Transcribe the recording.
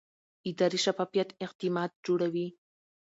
اداري شفافیت اعتماد جوړوي